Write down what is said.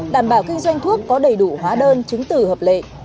đảm bảo kinh doanh thuốc có đầy đủ hóa đơn chứng tử hợp lệ